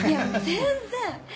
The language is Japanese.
いや全然！